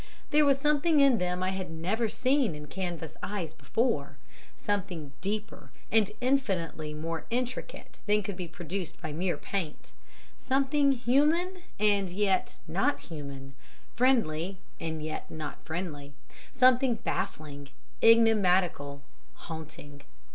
There was something in them I had never seen in canvas eyes before, something deeper and infinitely more intricate than could be produced by mere paint something human and yet not human, friendly and yet not friendly; something baffling, enigmatical, haunting.